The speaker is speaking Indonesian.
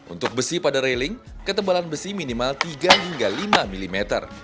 untuk besi pada railing ketebalan besi minimal tiga hingga lima mm